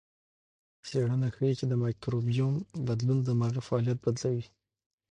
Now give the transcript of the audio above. څېړنه ښيي چې د مایکروبیوم بدلون دماغي فعالیت بدلوي.